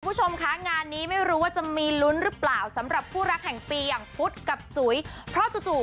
คุณผู้ชมคะงานนี้ไม่รู้ว่าจะมีลุ้นหรือเปล่าสำหรับคู่รักแห่งปีอย่างพุทธกับจุ๋ยเพราะจู่